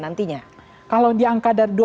nantinya kalau diangkat